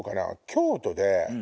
京都で。